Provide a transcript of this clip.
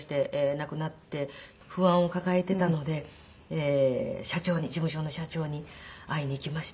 なくなって不安を抱えていたので社長に事務所の社長に会いに行きまして。